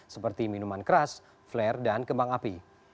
seperti minuman keras flare dan kembang api